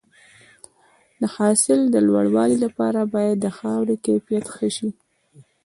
د حاصل د لوړوالي لپاره باید د خاورې کیفیت ښه شي.